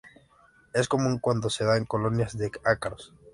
Es común cuando se dan colonias de ácaros.